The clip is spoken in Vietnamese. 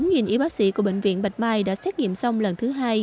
hơn y bác sĩ của bệnh viện bạch mai đã xét nghiệm xong lần thứ hai